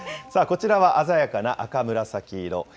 こちらは鮮やかな赤紫色。